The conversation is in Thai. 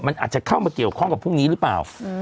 มันอาจจะเข้ามาเกี่ยวข้องกับพรุ่งนี้หรือเปล่า